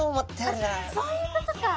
あっそういうことか。